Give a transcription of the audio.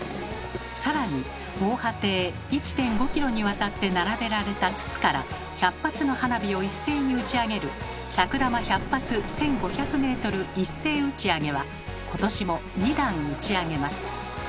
更に防波堤１．５キロにわたって並べられた筒から１００発の花火を一斉に打ち上げる「尺玉１００発１，５００メートル一斉打上」は今年も２弾打ち上げます。